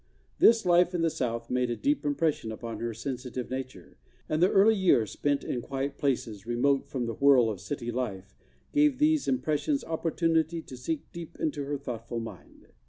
This life in the South made a deep impression upon her sensitive nature, and the early years spent in quiet places remote from the whirl of city life gave these impressions opportunity to sink deep into her thoughtful mind.